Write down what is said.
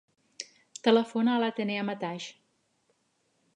Telefona a l'Atenea Mataix.